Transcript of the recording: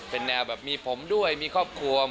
เป็นแนวแบบมีผมด้วยมีครอบครัว